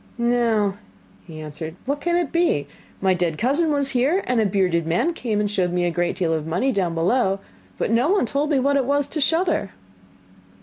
'No,' he answered; 'what can it be? My dead cousin was here, and a bearded man came and showed me a great deal of money down below, but no one told me what it was to shudder.